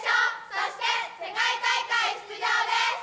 そして世界大会出場です！